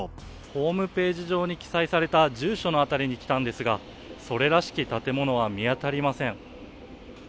ホーム上に記載された住所の辺りに来たんですが、それらしき建物は見当たりません。